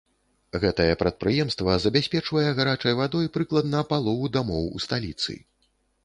Гэтае прадпрыемства забяспечвае гарачай вадой прыкладна палову дамоў у сталіцы.